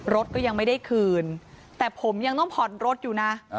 รถก็ยังไม่ได้คืนแต่ผมยังต้องผ่อนรถอยู่นะ